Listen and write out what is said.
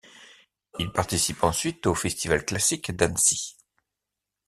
Il participe ensuite au Festival classique d’Annecy.